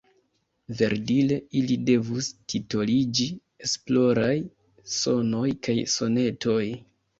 Verdire ili devus titoliĝi Esploraj sonoj kaj sonetoj.